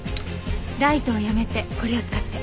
ライトをやめてこれを使って。